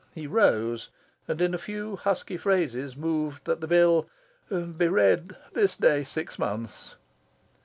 He rose and, in a few husky phrases, moved that the bill "be read this day six months."